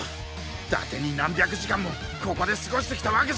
だてに何百時間もここで過ごしてきたわけじゃない！